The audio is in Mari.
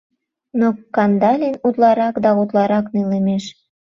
Но Кандалин утларак да утларак нелемеш.